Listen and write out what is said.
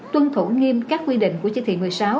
tuân thủ nghiêm các quy định của chỉ thị một mươi sáu